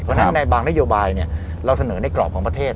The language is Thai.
เพราะฉะนั้นในบางนโยบายเราเสนอในกรอบของประเทศ